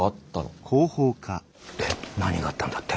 で何があったんだって？